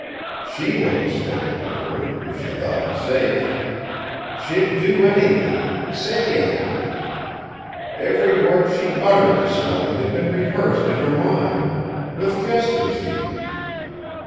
She wouldn't stick at murder if she thought it safe. She'd do anything, say anything. Every word she uttered this morning had been rehearsed in her mind with gestures, even.